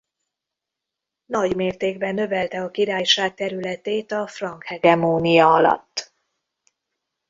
Nagymértékben növelte a királyság területét a frank hegemónia alatt.